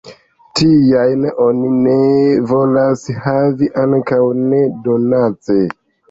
Tiajn oni ne volas havi, ankaŭ ne donace.